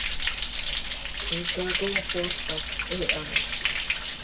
¡Xiica coopol pac he haas!